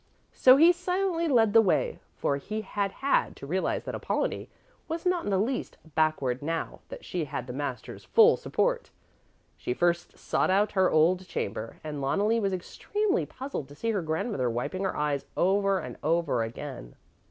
So he silently led the way, for he had had to realize that Apollonie was not in the least backward now that she had the master's full support. She first sought out her old chamber, and Loneli was extremely puzzled to see her grandmother wiping her eyes over and over again.